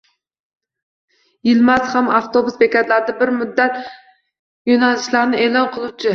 Yilmaz ham abtobus bekatlarida bir muddat yo'nalishlarni e'lon qiluvchi